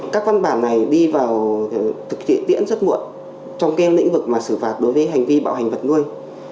các văn bản này đi vào thực tiễn tiễn rất muộn trong cái lĩnh vực mà xử phạt đối với hành vi bạo hành vật nuôi